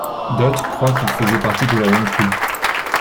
D'autres croient qu'ils faisaient partie de la même tribu.